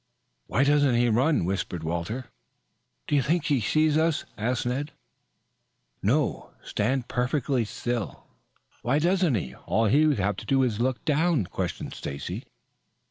"Why doesn't he run?" whispered Walter. "Do you think he sees us?" asked Ned. "No. Stand perfectly still." "Why doesn't he? All he would have to do would be to look down?" questioned Stacy.